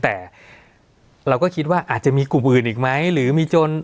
แต่เราก็คิดว่าอาจจะมีกลุ่มอื่นอีกไหมหรือมีจน